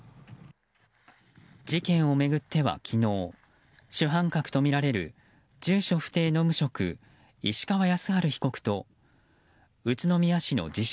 事件を巡っては昨日、主犯格とみられる住所不定の無職石川泰治被告と宇都宮市の自称